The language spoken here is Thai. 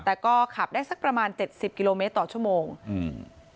แต่ก็ขับได้สักประมาณเจ็ดสิบกิโลเมตรต่อชั่วโมงอืม